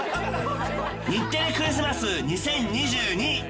日テレクリスマス２０２２。